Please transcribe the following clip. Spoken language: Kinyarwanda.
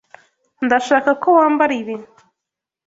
Ndashaka ko wambara ibi.